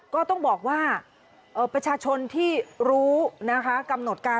ก็ต้องบอกว่าประชาชนที่รู้นะคะกำหนดการ